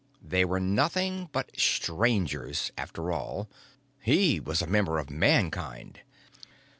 They were nothing but Strangers, after all. He was a member of Mankind.